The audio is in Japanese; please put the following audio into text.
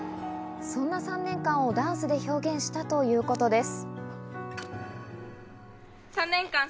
そんな３年間をダンスで表現したということです。